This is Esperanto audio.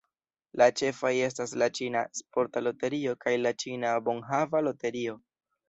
La ĉefaj estas la Ĉina Sporta Loterio kaj la Ĉina Bonhava Loterio.